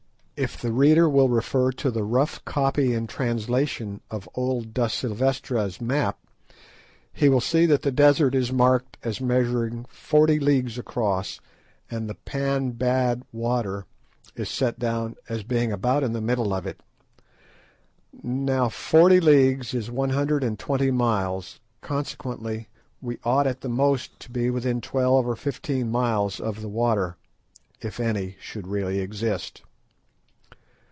If the reader will refer to the rough copy and translation of old da Silvestra's map, he will see that the desert is marked as measuring forty leagues across, and the "pan bad water" is set down as being about in the middle of it. Now forty leagues is one hundred and twenty miles, consequently we ought at the most to be within twelve or fifteen miles of the water if any should really exist.